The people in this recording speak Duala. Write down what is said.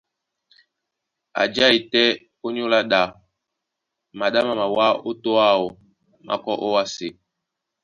A jái tɛ́ ónyólá ɗá, maɗá má mawá ó tô áō, má kɔ́ ówásē.